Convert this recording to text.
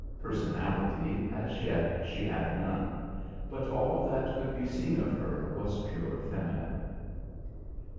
Personality, as yet, she had none; but all that could be seen of her was pure feminine.